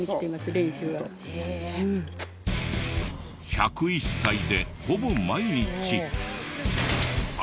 １０１歳でほぼ毎日。